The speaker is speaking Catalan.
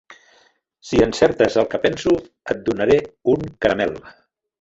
Si encertes el que penso, et donaré un caramel.